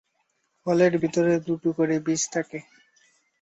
ফলের ভেতরে দুটো করে বীজ থাকে।